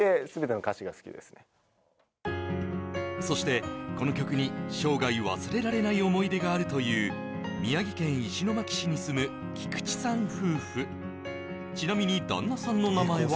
そしてこの曲に生涯忘れられない思い出があるという宮城県石巻市に住む菊地さん